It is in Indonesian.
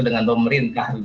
dengan pemerintah gitu